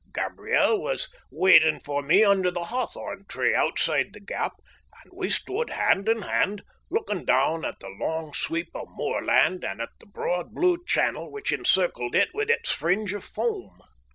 Gabriel was waiting for me under the hawthorn tree outside the gap, and we stood hand in hand looking down at the long sweep of moorland and at the broad blue channel which encircled it with its fringe of foam.